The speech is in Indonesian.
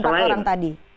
plus empat orang tadi